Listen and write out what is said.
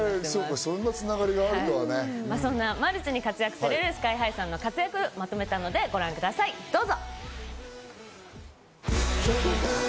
そんなマルチに活躍するＳＫＹ−ＨＩさんの活躍をまとめたのでご覧ください、どうぞ！